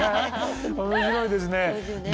面白いですね。